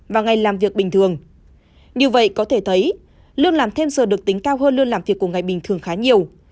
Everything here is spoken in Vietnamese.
và ngày làm việc bình thường như vậy có thể thấy lương làm thêm giờ được tính cao hơn lương làm việc của ngày bình thường khá nhiều